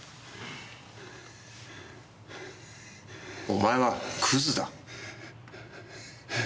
お前はクズだ。